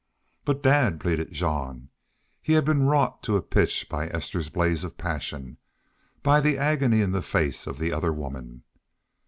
"But, dad " pleaded Jean. He had been wrought to a pitch by Esther's blaze of passion, by the agony in the face of the other woman.